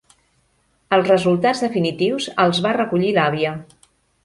Els resultats definitius els va recollir l'àvia.